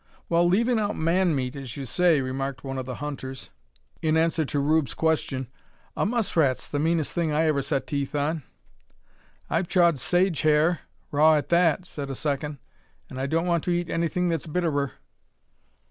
"Wal, leaving out man meat, as you say," remarked one of the hunters, in answer to Rube's question, "a muss rat's the meanest thing I ever set teeth on." "I've chawed sage hare raw at that," said a second, "an' I don't want to eat anything that's bitterer."